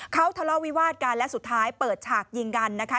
เขาทะเลาะวิวาดกันและสุดท้ายเปิดฉากยิงกันนะคะ